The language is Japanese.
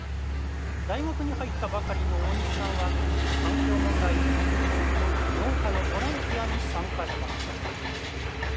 大学に入ったばかりの大西さんは環境問題に取り組もうと農家のボランティアに参加しました。